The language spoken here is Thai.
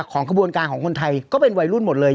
ของกระบวนการของคนไทยก็เป็นวัยรุ่นหมดเลย